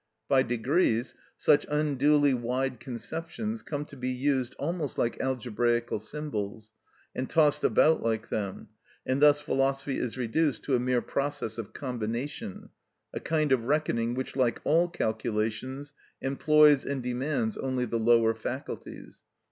By degrees such unduly wide conceptions come to be used almost like algebraical symbols, and tossed about like them, and thus philosophy is reduced to a mere process of combination, a kind of reckoning which (like all calculations) employs and demands only the lower faculties.